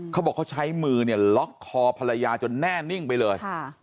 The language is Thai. เขาบอกเขาใช้มือเนี่ยล็อกคอภรรยาจนแน่นิ่งไปเลย